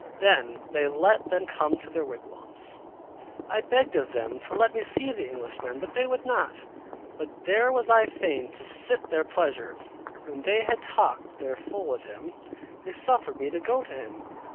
Then they let them come to their wigwams. I begged of them to let me see the Englishman, but they would not. But there was I fain to sit their pleasure. When they had talked their fill with him, they suffered me to go to him.